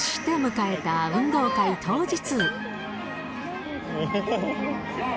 そして迎えた運動会当日。